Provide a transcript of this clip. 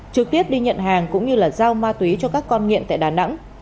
trực tiếp đi nhận hàng cũng như giao ma túy cho các con nghiện tại đà nẵng